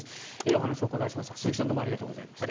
お話を伺いました。